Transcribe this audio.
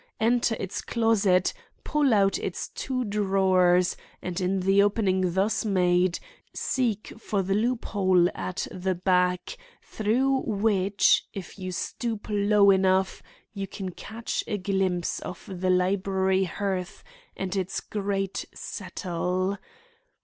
Enter its closet, pull out its two drawers, and in the opening thus made seek for the loophole at the back, through which, if you stoop low enough, you can catch a glimpse of the library hearth and its great settle.